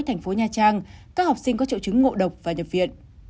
thành phố nha trang các học sinh có triệu chứng ngộ độc và nhập viện